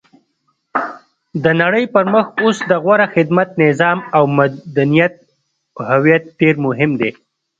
د نړۍ پرمخ اوس د غوره خدمت، نظام او مدنیت هویت ډېر مهم دی.